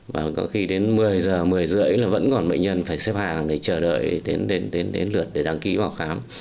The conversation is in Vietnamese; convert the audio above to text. và có khi đến một mươi giờ một mươi rưỡi là vẫn còn bệnh nhân phải xếp hàng để chờ đợi đến lượt để đăng ký vào khám